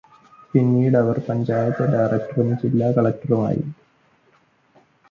പിന്നീട് അവര് പഞ്ചായത്ത് ഡയറക്റ്ററും ജില്ലാ കലക്റ്ററും ആയി.